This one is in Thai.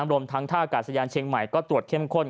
รวมทั้งท่ากาศยานเชียงใหม่ก็ตรวจเข้มข้น